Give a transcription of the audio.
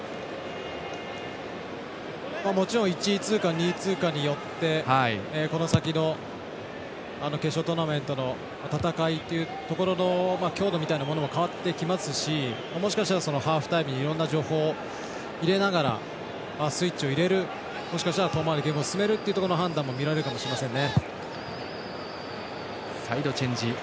もちろん１位通過２位通過によってこの先の決勝トーナメントの戦いというところの強度みたいなものも変わってきますしもしかしたら、ハーフタイムにいろんな情報を入れながら、スイッチを入れるもしかしたらゲームを進めるという判断も見られるかもしれませんね。